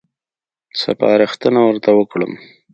سپارښتنه ورته وکړم.